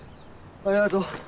ありがとう。